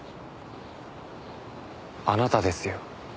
あなたですよ